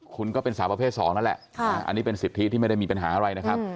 คุณก็เป็นสาวประเภท๒นั่นแหละอันนี้เป็นสิทธิที่ไม่ได้มีปัญหาอะไรนะครับ